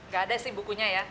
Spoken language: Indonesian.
gak ada sih bukunya ya